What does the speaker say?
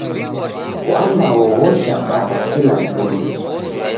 Wandaoghoshwa bagha kila juma.